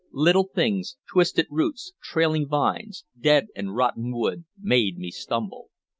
Little things, twisted roots, trailing vines, dead and rotten wood, made me stumble.